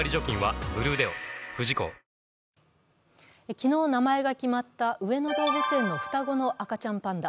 昨日、名前が決まった上野動物園の双子の赤ちゃんパンダ。